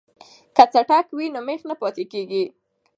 که څټک وي نو میخ نه پاتې کیږي.